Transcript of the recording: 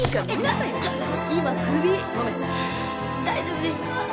大丈夫ですか？